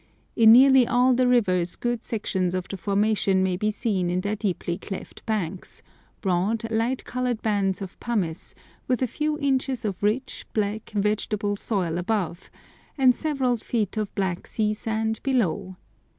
In nearly all the rivers good sections of the formation may be seen in their deeply cleft banks, broad, light coloured bands of pumice, with a few inches of rich, black, vegetable soil above, and several feet of black sea sand below.